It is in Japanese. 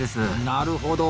なるほど。